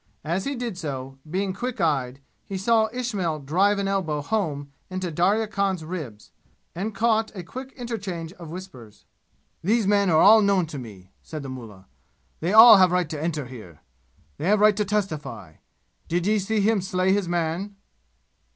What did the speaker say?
As he did so, being quick eyed, he saw Ismail drive an elbow home into Darya Khan's ribs, an caught a quick interchange of whispers. "These men are all known to me," said the mullah. "They all have right to enter here. They have right to testify. Did ye see him slay his man?"